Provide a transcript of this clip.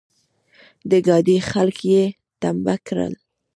د ګاډي خلګ يې ټمبه کړل.